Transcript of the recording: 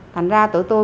thành ra tụi tôi